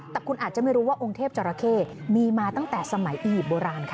แต่คุณอาจจะไม่รู้ว่าองค์เทพจราเข้มีมาตั้งแต่สมัยอียิปต์โบราณค่ะ